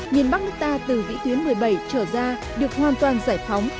miền bắc nước ta từ vĩ tuyến một mươi bảy trở ra được hoàn toàn giải phóng